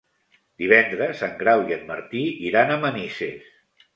Divendres en Grau i en Martí iran a Manises.